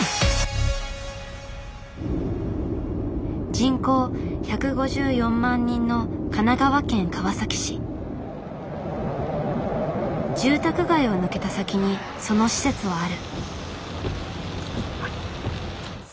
人口１５４万人の住宅街を抜けた先にその施設はある。